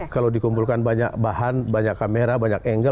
kalau dikumpulkan banyak bahan banyak kamera banyak angle